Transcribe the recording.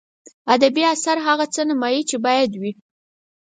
ادبي اثر هغه څه نمایي چې باید وي.